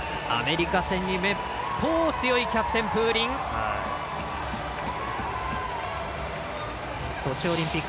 アメリカ戦にめっぽう強いキャプテン、プーリン。